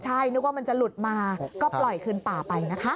ใช่นึกว่ามันจะหลุดมาก็ปล่อยคืนป่าไปนะคะ